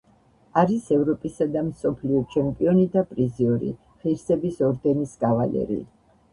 არის ევროპისა და მსოფლიოს ჩემპიონი და პრიზიორი, ღირსების ორდენის კავალერი.